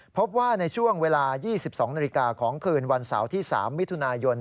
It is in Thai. พบว่าในช่วงเวลา๒๒นาฬิกาของคืนวันเสาร์ที่๓มิถุนายน